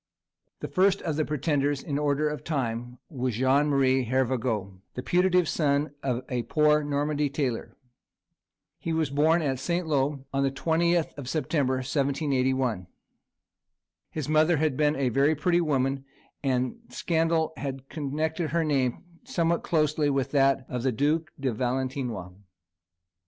The first of the pretenders, in order of time, was Jean Marie Hervagault, the putative son of a poor Normandy tailor. He was born at St. Lô on the 20th of September, 1781. His mother had been a pretty woman, and scandal had connected her name somewhat closely with that of the Duke de Valentinois.